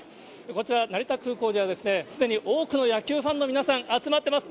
こちら、成田空港では、すでに多くの野球ファンの皆さん、集まってます。